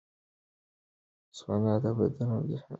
سونا د بدن او ذهن لپاره آرام ورکوي.